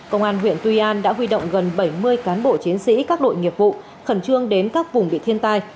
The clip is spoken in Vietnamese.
công an huyện tuy an đã huy động gần bảy mươi cán bộ chiến sĩ các đội nghiệp vụ khẩn trương đến các vùng bị thiên tai